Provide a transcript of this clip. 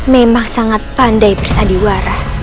memang sangat pandai bersadiwara